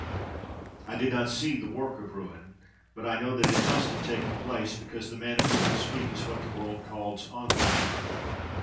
I did not see the work of ruin: but I know that it must have taken place—because the man of whom I speak is what the world calls honourable!